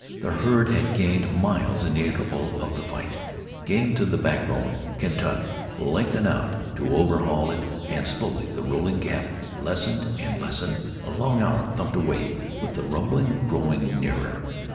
The herd had gained miles in the interval of the fight. Game to the backbone, Kentuck lengthened out to overhaul it, and slowly the rolling gap lessened and lessened. A long hour thumped away, with the rumble growing nearer.